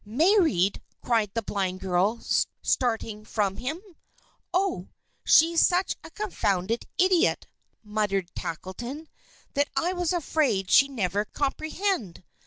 "Married!" cried the blind girl, starting from him. "Oh! She's such a confounded idiot," muttered Tackleton, "that I was afraid she'd never comprehend.